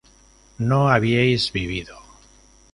no habíais vivido